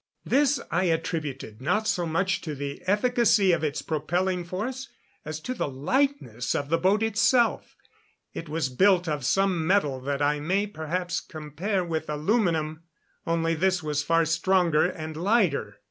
This I attributed not so much to the efficacy of its propelling force as to the lightness of the boat itself. It was built of some metal that I may perhaps compare with aluminium, only this was far stronger and lighter.